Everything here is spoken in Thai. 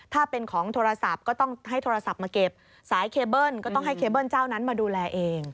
ถ้าเป็นของโทรศัพท์ก็ต้องให้โทรศัพท์มาเก็บสายเคเบิ้ลก็ต้องให้เคเบิ้ลเจ้านั้นมาดูแลเอง